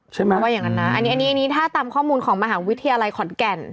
ใช่ไหมว่าอย่างนั้นนะอันนี้อันนี้ถ้าตามข้อมูลของมหาวิทยาลัยขอนแก่น